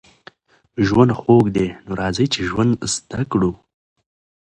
ژوند خوږ دی نو راځئ چې ژوند زده کړو